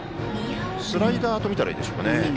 スライダーと見たらいいでしょうか？